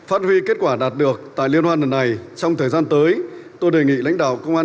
phát huy kết quả đạt được tại liên hoan lần này trong thời gian tới tôi đề nghị lãnh đạo công an